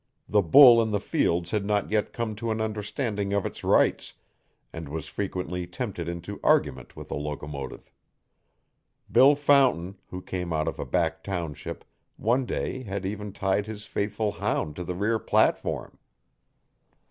The bull in the fields had not yet come to an understanding of its rights, and was frequently tempted into argument with a locomotive. Bill Fountain, who came out of a back township, one day had even tied his faithful hound to the rear platform.